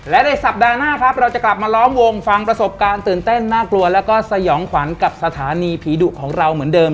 และในสัปดาห์หน้าครับเราจะกลับมาล้อมวงฟังประสบการณ์ตื่นเต้นน่ากลัวแล้วก็สยองขวัญกับสถานีผีดุของเราเหมือนเดิม